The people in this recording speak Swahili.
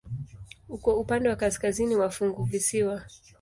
Uko upande wa kaskazini wa funguvisiwa.